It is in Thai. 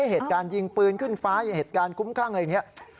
เหตุการณ์ยิงปืนขึ้นฟ้าอย่างเหตุการณ์คุ้มคลั่งอะไรอย่างนี้